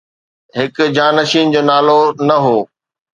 هڪ جانشين جو نالو نه هو